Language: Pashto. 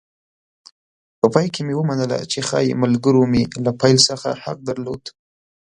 په پای کې مې ومنله چې ښایي ملګرو مې له پیل څخه حق درلود.